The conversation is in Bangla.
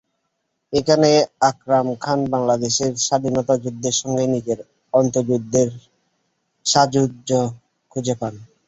এখানেই আকরাম খান বাংলাদেশের স্বাধীনতাযুদ্ধের সঙ্গে নিজের অন্তর্যুদ্ধের সাযুজ্য খুঁজে পান।